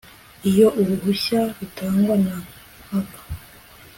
iyo uruhushya rutangwa nta mpaka